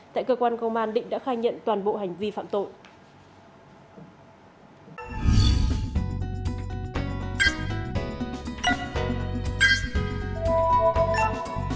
tại cơ quan công an định đã khai nhận toàn bộ hành vi phạm tội